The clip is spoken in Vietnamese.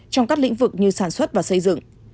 trong các lĩnh vực như sản xuất và xây dựng